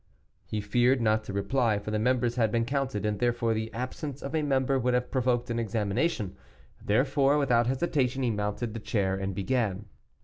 He feared not to reply, for the members had been counted, and therefore the absence of a member would have provoked an examination. Therefore, without hesitation, he mounted the chair and began.